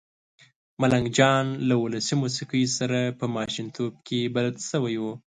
ملنګ جان له ولسي موسېقۍ سره په ماشومتوب کې بلد شوی و.